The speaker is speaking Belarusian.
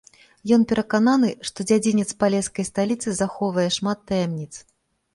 Ён перакананы, што дзядзінец палескай сталіцы захоўвае шмат таямніц.